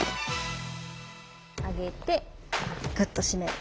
上げてグッと締める。